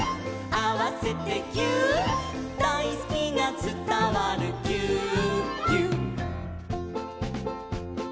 「あわせてぎゅーっ」「だいすきがつたわるぎゅーっぎゅっ」